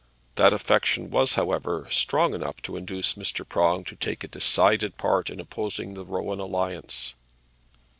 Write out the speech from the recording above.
That affection was, however, strong enough to induce Mr. Prong to take a decided part in opposing the Rowan alliance.